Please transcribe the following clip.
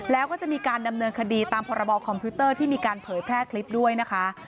แล้วก็จะมีการดำเนินคดีตามพรบคอมพิวเตอร์ที่มีการเผยแพร่คลิปด้วยนะคะ